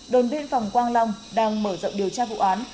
đồn biên phòng quang long đang mở rộng điều tra vụ án